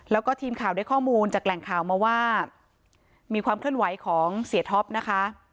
แล้วก็ทีมข่าวได้ข้อมูลจากแหล่งข่าวมาว่ามีความเคลื่อนไหวของเสียท็อปนะคะ